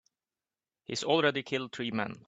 He's already killed three men.